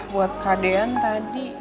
buat kadean tadi